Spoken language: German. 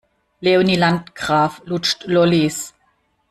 Leonie Landgraf lutscht Lollis.